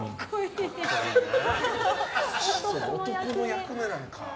男の役目なのか。